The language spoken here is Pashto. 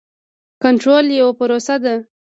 کنټرول یوه پروسه ده.